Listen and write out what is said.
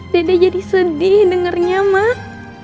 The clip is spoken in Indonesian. dede jadi sedih dengarnya mak